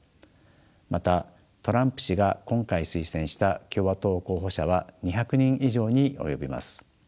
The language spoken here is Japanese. またトランプ氏が今回推薦した共和党候補者は２００人以上に及びます。